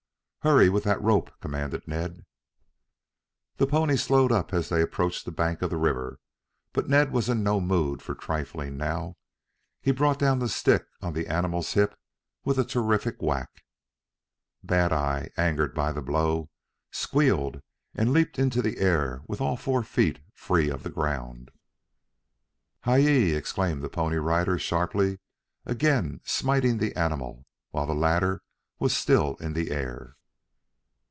"Hurry with that rope!" commanded Ned. The pony slowed up as they approached the bank of the river, but Ned was in no mood for trifling now. He brought down the stick on the animal's hip with a terrific whack. Bad eye angered by the blow, squealed and leaped into the air with all four feet free of the ground. "Hi yi!" exclaimed the Pony Rider sharply, again smiting the animal while the latter was still in the air.